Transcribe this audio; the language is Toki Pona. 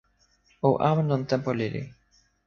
o awen lon tenpo lili.